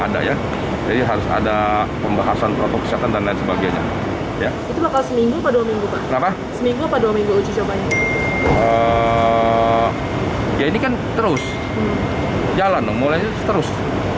ada ya jadi harus ada pembahasan protokol dan lain sebagainya ya ya ini kan terus jalan mulai terus